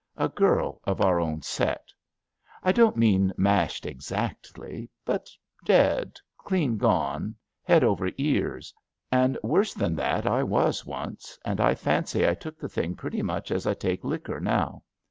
A girl of our own set. I don't mean mashed exactly, but dead, clean gone, head over ears; and worse than that I was once, and I fancy I took the thing pretty much as I take liquor now.